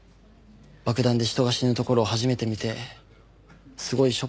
爆弾で人が死ぬところを初めて見てすごいショックで。